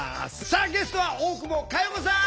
さあゲストは大久保佳代子さん！